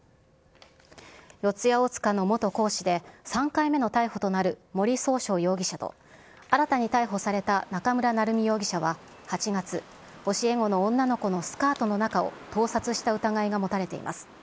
四谷大塚の元講師で、３回目の逮捕となる森崇翔容疑者と、新たに逮捕された中村成美容疑者は８月、教え子の女の子のスカートの中を盗撮した疑いが持たれています。